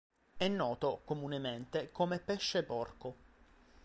È noto comunemente come pesce porco.